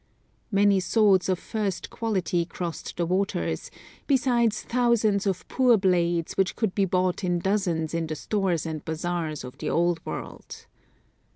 Many swords of first quality crossed the waters, besides thousands of poor blades which could be bought in dozens in the stores and bazaars of the old world.